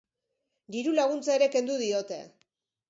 Diru-laguntza ere kendu diote.